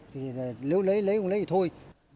thì nếu lấy lấy không lấy thì thôi